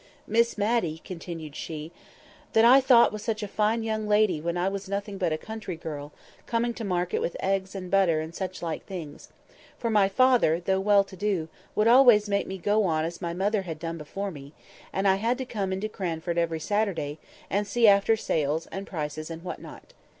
"Miss Matty!" continued she, "that I thought was such a fine young lady when I was nothing but a country girl, coming to market with eggs and butter and such like things. For my father, though well to do, would always make me go on as my mother had done before me, and I had to come into Cranford every Saturday, and see after sales, and prices, and what not.